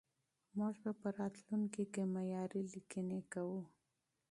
موږ به په راتلونکي کې معياري ليکنې کوو.